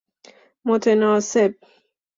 متناسب